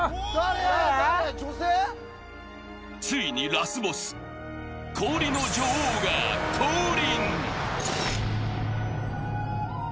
ついにラスボス・氷の女王が降臨！